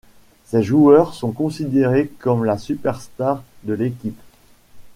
Ces joueurs sont considérés comme la superstar de l'équipe.